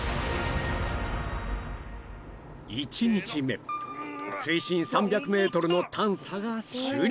１日目水深３００ｍの探査が終了